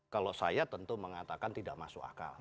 kalau saya tentu mengatakan tidak masuk akal